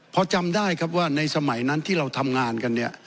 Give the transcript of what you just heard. พอจำได้ครับว่าในสมัยนั้นที่เราทำงานกันเนี่ย